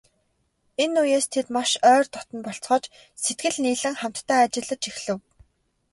Энэ үеэс тэд маш ойр дотно болцгоож, сэтгэл нийлэн хамтдаа ажиллаж эхлэв.